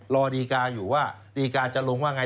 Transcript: รอดีการอยู่ว่าดีการจะลงว่าไง